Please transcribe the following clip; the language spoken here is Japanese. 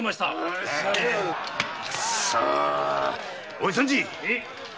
おい三次！